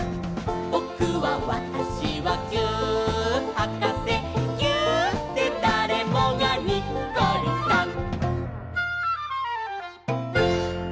「ぼくはわたしはぎゅーっはかせ」「ぎゅーっでだれもがにっこりさん！」